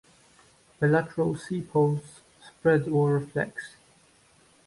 The lateral sepals spread or reflex.